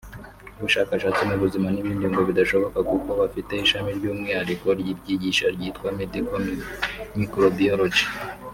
ubushakashatsi mu buzima n’ibindi ngo bidashoboka kuko bafite ishami ry’umwihariko ribyigisha ryitwa Medical Microbiology